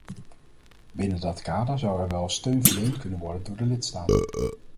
Binnen dat kader zou er wel steun verleend kunnen worden door de lidstaten.